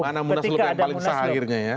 mana munaslup yang paling sah akhirnya ya